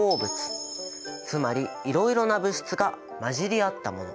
つまりいろいろな物質が混じり合ったもの。